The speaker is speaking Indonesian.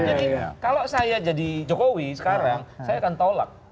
jadi kalau saya jadi jokowi sekarang saya akan tolak